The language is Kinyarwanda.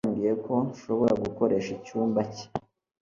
Gakwaya yambwiye ko nshobora gukoresha icyumba cye